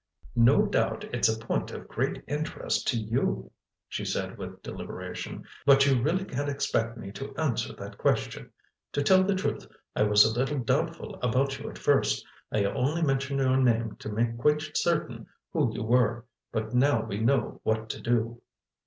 "No doubt it's a point of great interest to you," she said with deliberation. "But you really can't expect me to answer that question. To tell the truth, I was a little doubtful about you at first—I only mentioned your name to make quite certain who you were. But now we know what to do."